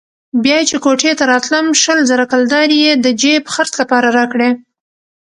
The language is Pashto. بيا چې کوټې ته راتلم شل زره کلدارې يې د جېب خرڅ لپاره راکړې.